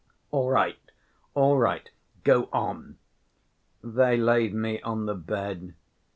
"All right, all right. Go on." "They laid me on the bed.